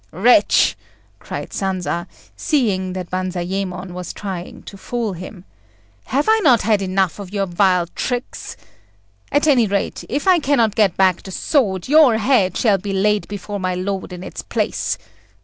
"Wretch!" cried Sanza, seeing that Banzayémon was trying to fool him, "have I not had enough of your vile tricks? At any rate, if I cannot get back the sword, your head shall be laid before my lord in its place.